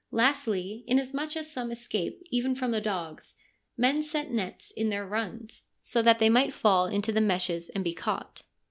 Lastly, inasmuch as some escape even from the dogs, men set nets in their runs, so that they may fall into the meshes and be caught.'